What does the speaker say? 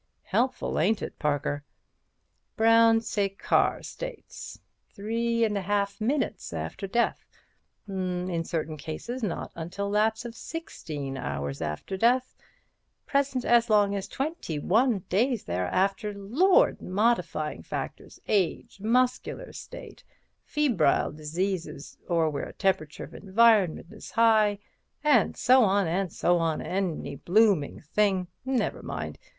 Helpful, ain't it, Parker? 'Brown Séquard states ... 3 1/2 minutes after death.... In certain cases not until lapse of 16 hours after death ... present as long as 21 days thereafter.' Lord! 'Modifying factors—age—muscular state—or febrile diseases—or where temperature of environment is high'—and so on and so on—any bloomin' thing. Never mind.